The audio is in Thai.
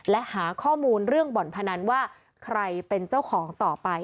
และหาข้อมูลเรื่องบ่อนพนันว่าใครเป็นเจ้าของต่อไป